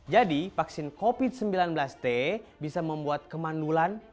jadi vaksin covid sembilan belas t bisa membuat kemandulan